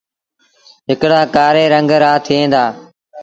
هڪڙآ ڪآري رنگ رآ ٿئيٚݩ دآ۔